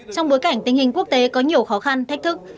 trong bối cảnh tình hình quốc tế có nhiều khó khăn thách thức